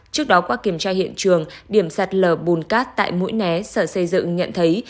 trước đó qua kiểm tra hiện trường điểm sạt lở bùn cát tại mũi né sở xây dựng nhận thấy